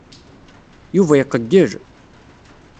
Yuba iqeyyel.